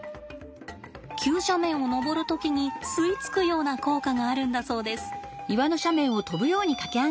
急斜面を登る時に吸い付くような効果があるんだそうです。